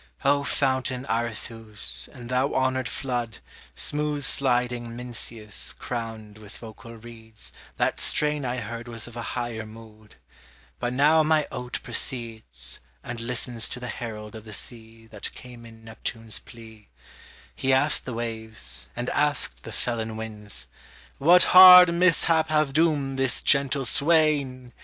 O fountain Arethuse, and thou honored flood, Smooth sliding Mincius, crowned with vocal reeds, That strain I heard was of a higher mood; But now my oat proceeds, And listens to the herald of the sea That came in Neptune's plea; He asked the waves, and asked the felon winds, What hard mishap hath doomed this gentle swain?